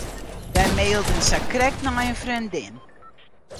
Wy mailden sakrekt nei in freondin.